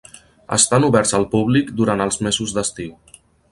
Estan oberts al públic durant els mesos d'estiu.